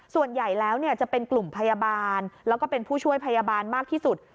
ส่วนใหญ่แล้วจะเป็นกลุ่มพยาบาลแล้วก็เป็นผู้ช่วยพยาบาลมากที่สุด